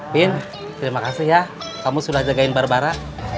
bin terima kasih ya kamu sudah jagain barbara